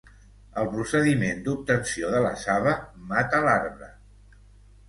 El procediment d'obtenció de la saba mata l'arbre.